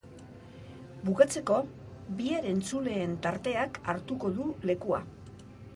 Bukatzeko, bihar entzuleen tarteak hartuko du lekua.